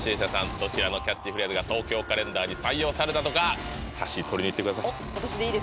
どちらのキャッチフレーズが「東京カレンダー」に採用されたのかさっしー取りに行ってください